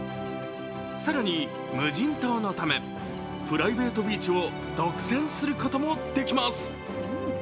更に、無人島のためプライベートビーチを独占することもできます。